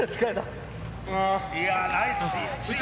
いやー、ナイス。